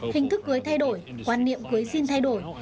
hình thức cưới thay đổi quan niệm cưới xin thay đổi